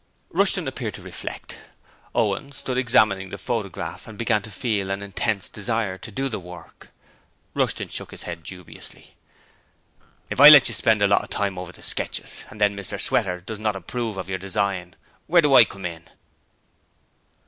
Rushton appeared to reflect. Owen stood examining the photograph and began to feel an intense desire to do the work. Rushton shook his head dubiously. 'If I let you spend a lot of time over the sketches and then Mr Sweater does not approve of your design, where do I come in?'